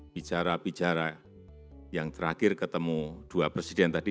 bicara bicara yang terakhir ketemu dua presiden tadi